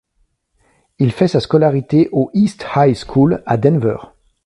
Il fait sa scolarité au East High School à Denver.